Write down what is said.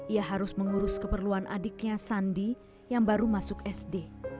ia harus mengurus keperluan adiknya sandi yang baru masuk sd